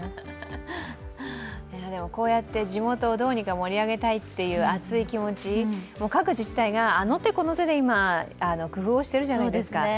こうやって地元をどうにか盛り上げたいという熱い気持ち、各自治体があの手この手で今、工夫しているじゃないですか。